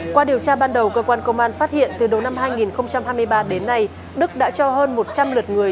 qua điều tra ban đầu cơ quan công an phát hiện từ đầu năm hai nghìn hai mươi ba đến nay đức đã cho hơn một trăm linh lượt người